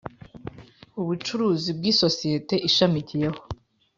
ubucuruzi bw isosiyete ishamikiyeho